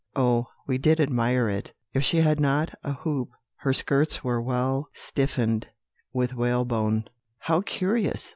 Oh, we did admire it! If she had not a hoop, her skirts were well stiffened with whalebone." "How curious!"